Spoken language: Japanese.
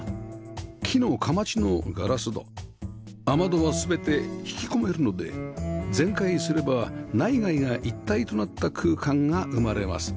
木の框のガラス戸雨戸は全て引き込めるので全開すれば内外が一体となった空間が生まれます